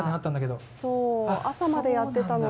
朝までやってたので。